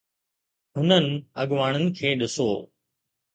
هنن اڳواڻن کي ڏسو.